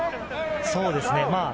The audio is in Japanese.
そうですね。